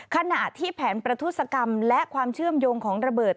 ขณะที่แผนประทุศกรรมและความเชื่อมโยงของระเบิด